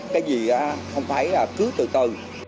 cái gì không thấy là cứ từ từ